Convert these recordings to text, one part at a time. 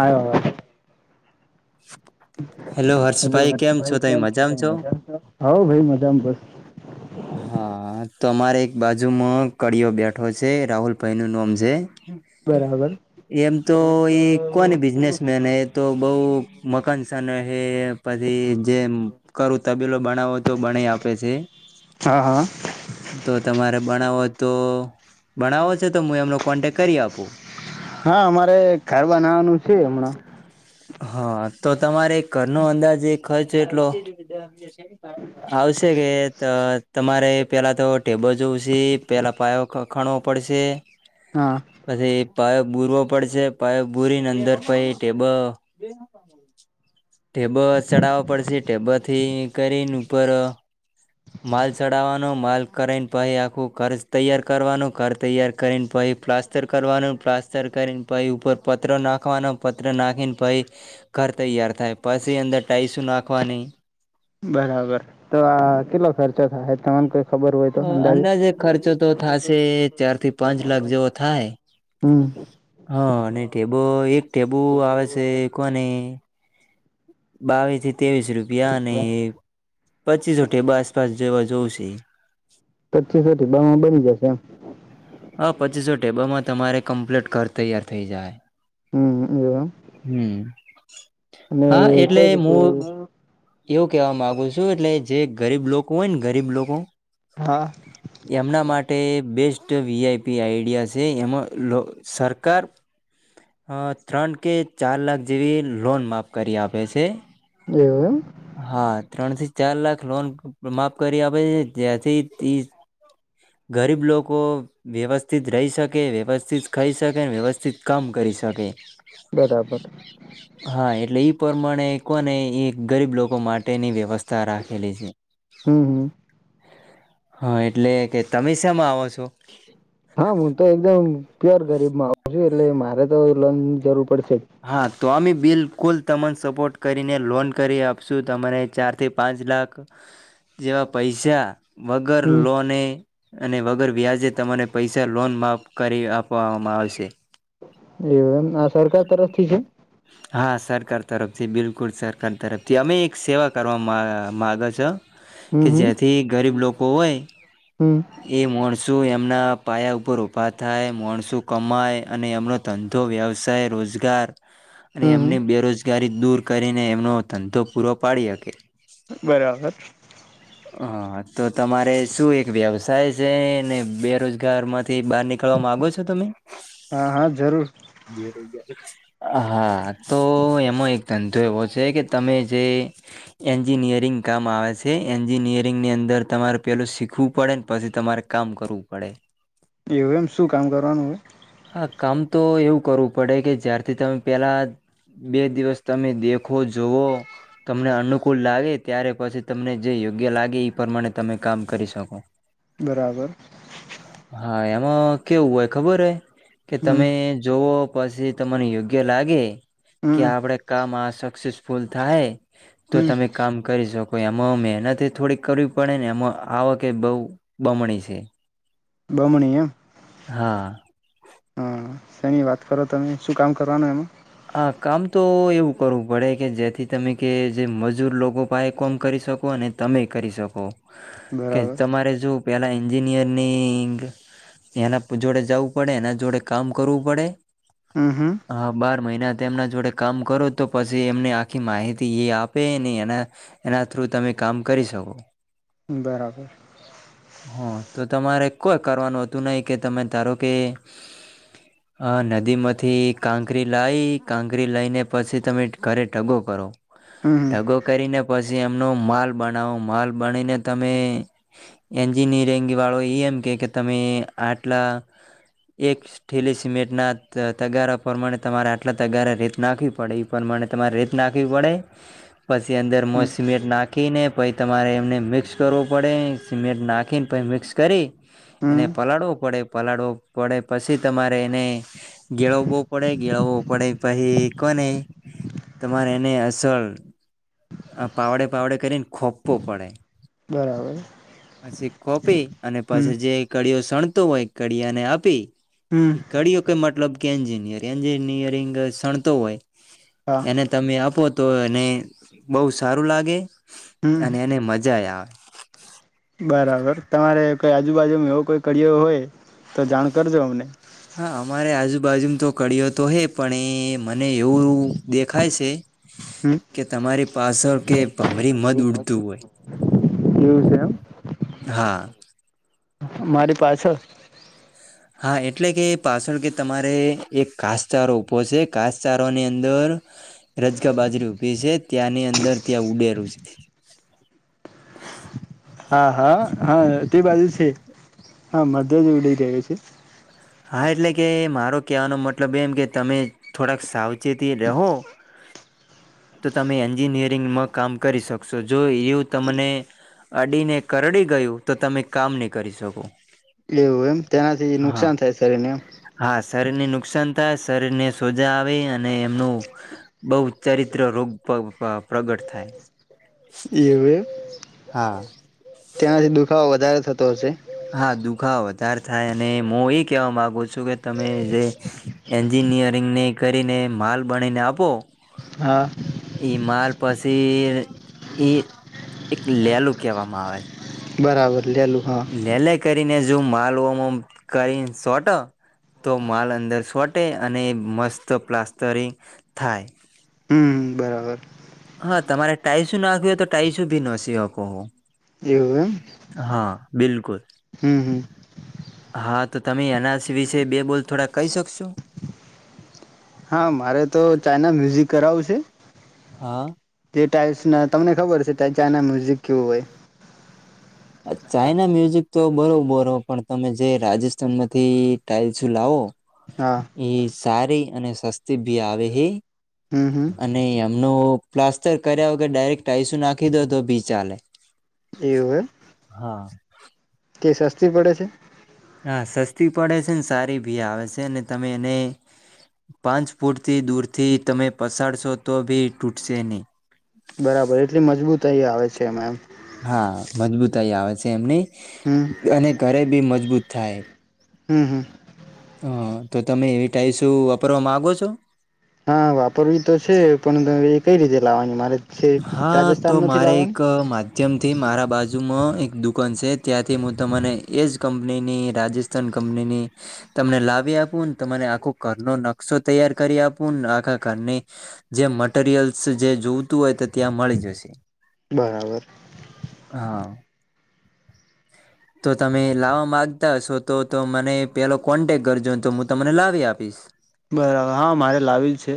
આવો આવ hello hello હર્ષભાઈ ભાઈ છો તમે કેમ છ મજામાં છો? મજા ભાઈ મજામાં બસ હા તો અમારે એક બાજુમાં કડીિયો બેઠો છે રાહુલભાઈ નું નામ છે બરાબર. એમ તો એ કોની બિઝનેસમેન એ તો બહ મકાનસને પછી જે કરું તબીલો બનાવો તો બના આપે છે હા હા તો તમારે બનાવો તો તો ભણાવો છે તો હું એમનો કોન્ટેક કરી આપું હા અમારે ઘર બનાવાનું છે છે હમણાં હા તો તમારે ઘનો અંદાજ એક ખર્ચ એટલો આવશે કે તમારે પેલા તો ટેબલ જોવું છે પેલા પાયો ખાણવો પડશે હા પછી પો ભૂરવો પડશે પાઇપ ભૂરીને અંદર પ ટેબલ ટેબો ચડાવવા પડશે ટેબ થી કરીને ઉપર માલ ચડાવવાનો માલ કરીને પછ આખું ઘ તૈયાર કરવાનું ઘ તૈયાર કરીને પછી પ્લાસ્ટર કરવાનું પ્લાસ્ટર કરીને પછી ઉપર પત્ર નાખવાનો પત્ર નાખીને ભાઈ ઘર તૈયાર થાય પછી અંદર ટાઈસું નાખવા નહી બરાબર તો આ કેટલો ખર્ચ થ તમામન કો હ અંદાજે ખર્ચો તો થશે ચાર થી પાંચ લાખ જેવો થાય હમ. હા અને ટેબો એક ટેબુ આવે છે કોની બાવી જ ત્રેવીસ રૂપિયા અને પચીસો બ આસપાસ જેવા જૌશે પચીસોી બમાં બની જશે એમ હા પચીસો ટેબામાં તમારે કમ્પ્લીટ કર તૈયાર થઇ જાય હમ એ હમ હા એટલે કઈ રીતે હું એવું કેવા માંગુ છું એટલે જે ગરીબ લોકો હોય ને ગરીબ લોકો હા એમના માટે બેસ્ટ વીઆઈપ ઈડિયાસે એમ લો સરકારર અ ત્રણ કે ચાર લાખ જેવી લોન માફ કરી આપે છે એવું હા ત્રણ થી ચાર લાખ લોન માફ કરી આપે છે જ્યાંથી ગરીબ લોકો વ્યવસ્થિત રહી શકે વ્યવસ્થિત ખાઈ શકે વ્યવસ્થિત કામ કરી શકે બરાબર હા એટલે ઈ પ્રમાણે કોને એક ગરીબ લોકો માટેની વ્યવસ્થા તારા ખેલી છે હમ હમ. હા એટલે કે તમે શમાં આવો છો હા હું તો એકદમ પ્યોર ગરીબ મા છું એટલે મારે તો લોન જરૂર પડશે જ હા તો અમે બિલકુલ તમને સપોર્ટ કરીને લોન કરી આપશું તમારે ચારથી પાંચ લાખ જેવા પૈસા વગર હમ. લોને અને વગર વ્યાજે તમાને પૈસા લોન માપ કરી આપવામાં આવશે એવમ આ સરકાર તરફ ઠીક છે હા સરકાર તરફથી બિલકુલ સરકાર તરફથી અમે એક સેવા કરવા મા માગો છો હમ કે હમ જેથી ગરીબ લોકો હોય હમ એ માણસું એમના પાયા ઉપર ઉભા થાય માણસું કમાય અને એમનો ધંધો વ્યવસાય રોજગાર ઘર અને હમ એમને હમ બેરોજ ગ દૂર કરીને એમનો ધંધો પૂરો પાડી શકે બરાબબર હા તો તમારે શું એક વ્યવસાય છે ને બેરોજગાર માંથી બહાર નીકળવા માગો છો તમે હા હા જરૂર હા તો એમાં એક ધંધો એવો છે કે તમે જે એન્જિનિયરિંગ કામ આવે છે એન્જિનિયરિંગ ની અંદર તમારે પેલું શીખવું પડે ને પછી તમારે કામ કરવું પડે એવું એમ શું કામ કરવાનું હોય હા કામ તો એવું કરવું પડે કે જ્યારથી તમે પેલા બે દિવસ તમે દેખો જોવો તમને અનુકૂળ લાગે ત્યારે પછી તમને જે યોગ્ય લાગે એ પ્રમાણે તમે કામ કરી શકો બરાબર હ કેવુંય ખબર હ કે હમ તમે જોવો પછી તમને યોગ્ય લાગે કે હમ આપડે કામ આ શકસ ફૂલ થાય તો હમ તમે કામ કરી શકો તો એમાં મહેનત થોડીક કરવી પડે ને એમાં આવક બહ બમણી છે બમણી એમ હા સાની વાત કરો તમે શું કામ કરવાનું એમાં હા કામ તો એવું કરવું પડે કે જેથી તમે કે જે મજૂર લોકો પ એ કોમ કરી શકો અને તમે કરી શકો કે બરાબર તમારે જો પેલા એન્જિનિયરિંગ એના જોડે જવું પડે એના જોડે કામ કરવું પડે હા હા ને તેમના જોડે કામ કરો તો પછી એમને આખી માહિતી એ આપે ન એના એના થ્રુ તમે કામ કરી શકો. બરાબર. હ તો તમારે કોઈ કરવાનું હતું નહી કે તમે ધારો કે આ નદીમાંથી કાંકરી લાઈ કાંકરી લઈને પછી તમે ઘરે ટગો કરો. હમ ઢગો કરીને પછ છી એમનો માલ બનાવો માલ બનીને તમે એન્જિનિયરિંગ વાળો એ એમ કે કે તમે આટલા એક ઠીલી સિમેન્ટના તગારા પ્રમાણે તમારે આટલા તગારા રેત નાખવી પડે એ પ્રમાણે તમારે રેત નાખવી પડે. પછી અંદર હમ મસ સીમેટ નાખીને ભાઈ તમારે એમને મિક્સ કરવો પડે. સિમેન્ટ નાખીને પય મિક્સ કરી. ને હમ પલાળવો પડે. પલાળવો પડે પછી તમારે એને ગેળવવો પડે ગેળવવો પડે પછી કોને તમારે એને અસલ આ પાવડે પાવડે કરીન ખોપ્પો પડે. બરાબર પછી કોપી અને હમ પછી જે કડી શણતો હોય કડિયા ને આપી. હમ ઈ કડીયો ક મતલબ કે એન્જિન. યરન એન્જિન નિયરિંગ શણતો હોય. હા એને તમે આપો. તો એને બહુ સારું લાગે. હમ અને એને મજા આવે. [unintelligible] બરાબર તમારે કઈ આજુબાજુમાં એવો કોંઈ કરી હોય તો જાણ કરજો અમને. બાજુ તો ક્યો તો હે પણ એ મને એવું દેખાય છે હમ કે તમારી પાછળ કે ભમરી મદ ઉડતું હોય એવું છે એમ હા. મારી પાછળ હા એટલે કે પાછળ કે તમારે એક કાસચારો ઉપભો છે કાસચારોની અંદર રજગા બાજરી ઉભી છે ત્યાંની અંદર ત્યાં ઉડેરું. [inaudible] હા હા હા તે બાજુ છે. હા મતે જ ઉડીઈ રહ્યો છે. હા એટલે કે મારો કવાનો મતલબ એમ કે તમે થોડાક સાવ ચેતી રહો. તો તમે એન્જિનિયરિંગમાં કામ કરી શકશો જો એવું તમને અડીને કરડી ગયું તો તમે કામ નહી કરી શકો. એેવું એમ તેનાથી હા નુકસાન થાય છે. હા શરીર ની નુકસાન શરીરને સોજા આવે અને એમનું બહ ચારિત્ર રોગ પ્રગટ થાય.. એવે એમ. હા ત્યાંથી દુખાવ વધારે થતો હશે. હા દુખાવ વધારે થાય અને હું એ કેવા માગુ છ કે તમે જે એન્જિનયરિંગ ની કરીને માલ બણીને આપો હા એ માલ પછી એક લેલું કહેવામાં આવે. બરાબર. લેલું હા લે લે કરીને જો માલ કરીને સોટ તો માલ અંદર સોટે અને મસ્ત પ્લાસ્ટરંગ થાય. હમ્મ બરાબર. હા તમારે ટાાઈસુ નાખ્યું હોય તો ટાઈસુ ભી નસી શકો. એવું એમ હા બિલકુલ હમ હમ હા તો તમે એનઆરસી વિશે બે બોલ થોડા કહી શકશું. હા મારે તો ચાઈના મ્યુઝિક કરાવું છે. હા [inaudible] તે ટાઇલ્સ ના તમને ખબર છે ચાના મ્યુઝિક કેવું હોય. ચાઈના મ્યુઝિક તો બરોબર હો પણ તમે જે રાજસ્થાનમાંથી ટાઈલ્સું લાવો. હા એ સારી અને સસ્તી ભી આવે એ. હમ હમ અને એમનો પ્લાસ્ટર કર્યા કે ડાયરેક્ટ આઈસુ નાખી દો તો બી ચાલે એવું હા કે સસ્તી પડે છે હા સસ્તી પડે છે ને સારી ભી આવે છે અનેને તમે એને પાંચ ફૂટથી દૂર થી તમે પસાડશો તો ભી તૂટશે નહી બરાબર એટલી મજબૂત અહીંયા આવે છે ઓકે મેમ હા મજબૂતાઈ આવે છે એમની હમ અને ઘરે બી મજબૂત થાય હમ હમ હ તો તમે એવી ટાઈ શું વાપરવા મામાંગો છો હા વાપરવી તો છે પણ એ કઈ રીતે લાવવાની મારે છે હા તો રાજસ્થાન માંથી મારે એક લાવવાની માધ્યમથી મારા બાજુમાં એક દુકાન છે ત્યાંથી હું તને એ જ કંપનીની રાજસ્થાન કંપનીની તમને લાવી આપું ને તને આખો ઘરનોો નકશો તૈયાર કરી આપું ને આખા ઘરની જે મટરિયલ્સ જે જોવતું હોય તો ત્યાં મળી જશે બરાબર હા તો તમે લાવવા માગતા હશો તો તો મને પેલો કોન્ટેક કરજો તો હું તમને લાવી આપીશ બરાબર હા મારે લાવેલ છે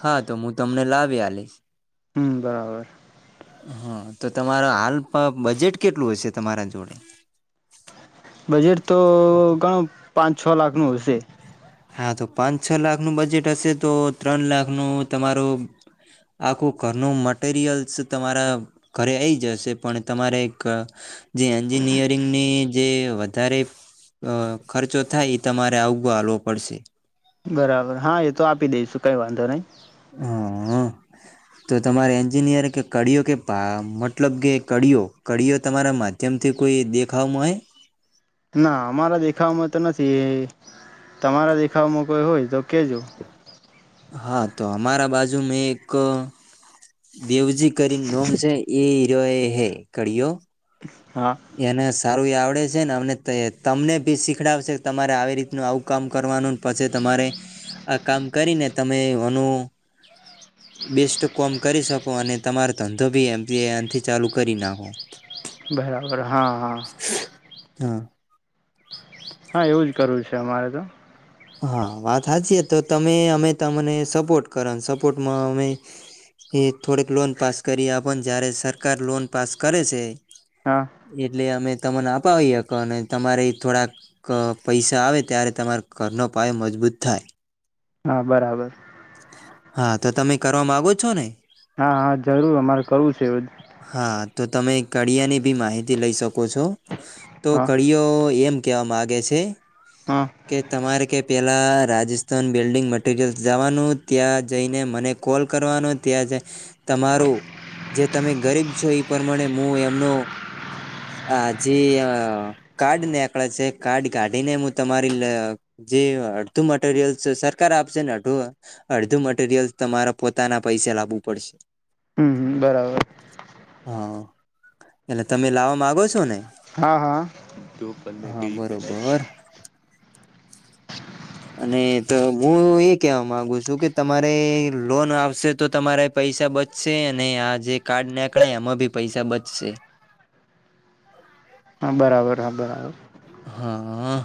હા તો હું તમને લાવી હલીશ હમ બરાબર હા તો તમારો હાલ બજેટ કેટલું હશે તમારા જોડે બજેટ તો ઘણ પાંચ છ લાખનું હશે હા તો પાંચ છ લાખનુંું બજેટ હશે તો ત્રણ લાખનું તમારું આખું ઘરનું મટરિયલ્સ તમારા ઘરે આવીઈ જ હશે પણ તમારે જે એન્જિનિયરિંગની જે વધારે ખર્ચો થાય એ તમારે આવું પડશે બરાબર હા એ તો આપી દઈશું કંઈ વાંધો નં હ તો તમારે એન્જિનિયર કે કળિયો કે મતલબ કે કળિયો કડીીઓ તમારા માધ્યમ થી કોઈ દેખામાં હો ના અમારા દેખાવવામાં તો નથી એ તમારા દેખાવમાં કોઈ હોય જ રકેજો હા તો અમારા બાજુ મે એક દેવજી કરીને નોમ છે એ જો હે કરળિયો [unintelligible] એને સારું એ આવડે છે ને અને તમને બી શીખડાવશે તમારે આવી રીતનું આવું કામ કરવાનું પછી તમારે આ કામ કરીને તમે ઓનું બેસ્ટ કોમ કરી શકો અને તમારો ધંધો બી એમથી ચાલુ કરી નાખો બરા વરા હા હા હા હા એવું જ કરવું છે અમારે તો હા વાત સાચી તો તમે અમે તમને સપોર્ટ કરો સપોર્ટમાં અમે એ થોડીક લોન પાસ કરી આપને જારે સરકાર લોન પાસ કરે છે હા એટલે અમે તમને અપાવી શ અને તમારે થોડાક પૈસા આવે ત્યારે તમારે ઘરનો પાય મજબૂત થાય હા બરાબર હા તો તમે કરવા માગો છો ને હા હા જરૂર અમારે કરવું છે જ હા તો તમે કળિયાની બી માહિતી લઈ શકો છો તો હા કરિયો એમ ક માગે છે હા કે તમારે કે પેલા રાજસ્થાન બિલ્ડીિંગ મટીરિયલ્સ જવાનું ત્યાં જઈને મને કોલ કરવાનો ત્યાં તમારું જે તમે ગરીબ છો એ પ્રમાણે હું એમનું આ જે કાર્ડ ને આકળે છે કાર્ડ કાઢીને તમારી જે અડધું મટીરિયલ્સ સરકાર આપશે ને અધું અડધું મટીરિયલ્ તમારે પોતાના પૈસા લાવવું પડશે હમ હમ બરાબર હા એટલે તમે લાવવા માગો છો ને હા હા હા ગઈ પહે બરોબર અને તો હું એ કેહેવા ગુ છું કે તમારે લોન આવશે તો તમારા પૈસા બચશે અને આ જે કાર્ડ નીકળે એમાં ભી પૈસા બચશે હા બરાબર હા બરાબર અ હા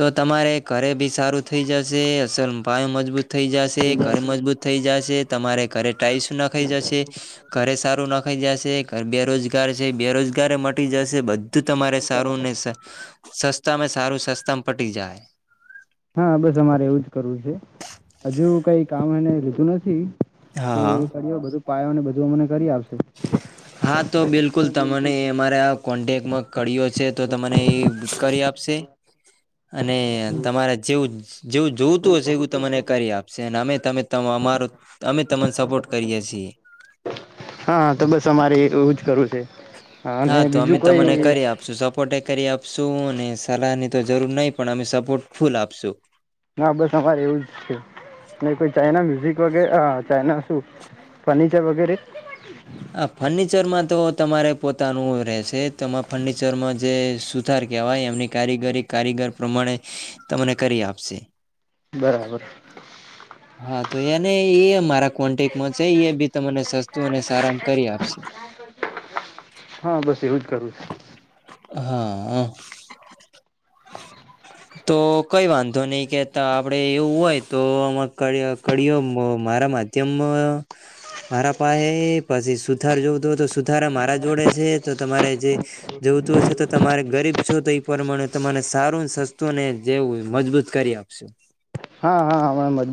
તો તમારે ઘરે બી સારું થઈ જશે અસલ પાય મજબૂત થઈ જશે કર મજબૂત થઈ જશે તમારે કરે શું નાખાઈ જશે ઘરે સારું નખ ખઈ જશે બેરોજગાર છે બેરોજગારે મટી જશે બધ તમારે સારું ને સસ્તામાં સારું સસ્તામાં પટી જાય હા બસ અમારે એવું જ કરવું છે હજુ કઈ કામ એને લીધું નથી છે હા હા બધું અમને કરી આપશે. હા તો બિલકુલ તને અમારા કોન્ટેક્ટમાં કર્યો છે તો તમને એ કરી આપશે અને તમારે જેવું જેવું જોતું હશે એવું તમને કરી આપશે અને અમે તમે તમે અમારું અમે તને સપોર્ટ કરીએ છીએ હા તો બસ અમારે જ એવું કરું હા તો અમે તમને કરી આપશું સપોર્ટ એ કરી આપશ આપશું અને સલાહની તો જરૂર નહીિ પણ અમે સપોર્ટ ફૂલ આપશુ ના બસ અમારે એવું જ છે કોઈ ચાાઈના મ્યુઝિક વગેરે હ ચાાઈના શું ફર્નિચર વગેરે હ ફર્નિચરમાં તો તમારે પોતાનું રહેશે છે તમારા ફર્નિચરમાં જે સુથાર કહેવાય એમની કારીગરી કારીગર પ્રમાણે તમને કરી આપશે બરાબર હા તો એને એ અમારા સારામાં કરી આપશે હા બસ એવું જ કરું હા તો કઈ વાંધો નઈ કે આપડે એવું હોય તો આ કડીઓ મારા માધ્યમ મારા પાસે પછી સુથાર જોવ તો હોય તો સુથાર મારા જોડે છે તો તમારે જે જવતું હો છે તો તમારે ગરીબ છો તો એ પ્રમાણે તમારે સારું સસ્તું ને જેવું મજબૂત કરી આપશો હા હા હ મજ